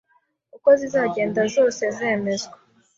uko zizagenda zose zemezwa